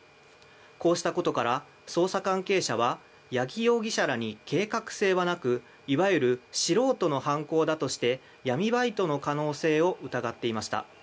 こうしたことから捜査関係者は八木容疑者らに計画性はなくいわゆる素人の犯行だとして闇バイトの可能性を疑っていました。